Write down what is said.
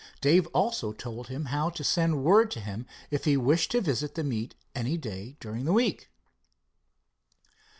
Dave also told him how to send word to him, if he wished to visit the meet any day during the week.